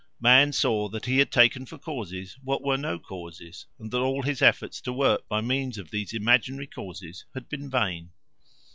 Man saw that he had taken for causes what were no causes, and that all his efforts to work by means of these imaginary causes had been vain.